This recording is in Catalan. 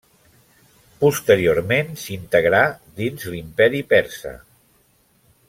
Posteriorment s'integrà dins l'Imperi Persa.